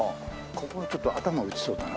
ここちょっと頭打ちそうだな。